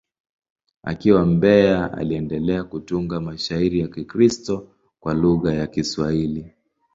Akiwa Mbeya, aliendelea kutunga mashairi ya Kikristo kwa lugha ya Kiswahili.